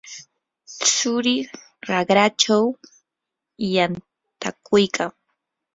tsurii raqrachaw yantakuykan.